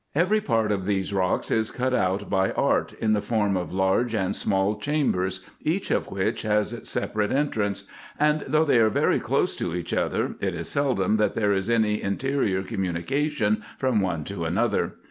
Every part of these rocks is cut out by art, in the form of large and small chambers, each of which has its separate entrance ; and, though they are very close to each other, it is seldom that there is any interior communication from one to another.